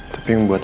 tapi yang membuat